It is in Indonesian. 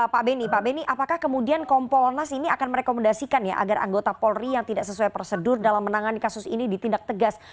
pak beni pak beni apakah kemudian kompolnas ini akan merekomendasikan ya agar anggota polri yang tidak sesuai prosedur dalam menangani kasus ini ditindak tegas